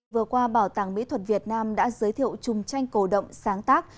vừa qua bảo tàng mỹ thuật việt nam đã giới thiệu chung tranh cổ động sáng tác